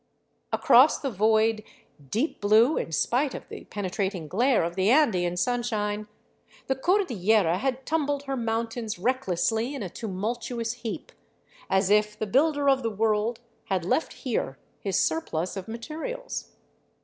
Across the void, deep blue in spite of the penetrat ing glare of the Andean sunshine, the Cordillera had tumbled her mountains recklessly in a tumultuous heap, as if the Builder of the world had left here his surplus of materials.